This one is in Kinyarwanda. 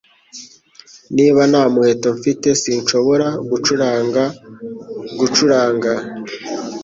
Niba nta muheto mfite, sinshobora gucuranga gucuranga.